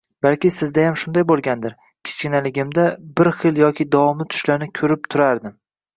Balki sizdayam shunday boʻlgandir, kichkinaligimda bir xil yoki davomli tushlarni koʻrib turardim.